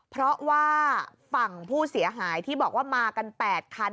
เพราะว่าฝั่งผู้เสียหายที่บอกว่ามากัน๘คัน